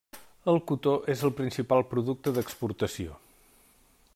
El cotó és el principal producte d'exportació.